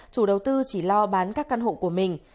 chủ đầu tư chỉ lo bán các căn hộ của mình